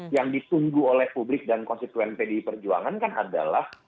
yang ditunggu oleh publik dan konstituen pdi perjuangan kan adalah